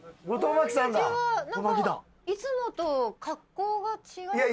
いつもと格好が違います。